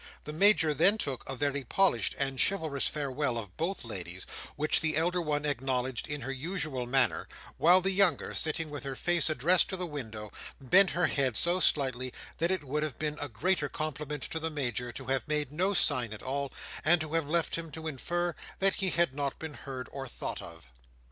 The Major then took a very polished and chivalrous farewell of both ladies, which the elder one acknowledged in her usual manner, while the younger, sitting with her face addressed to the window, bent her head so slightly that it would have been a greater compliment to the Major to have made no sign at all, and to have left him to infer that he had not been heard or thought of.